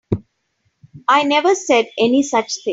I never said any such thing.